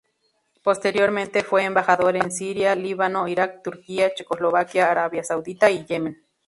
Posteriormente fue embajador en Siria, Líbano, Irak, Turquía, Checoslovaquia, Arabia Saudita y Yemen.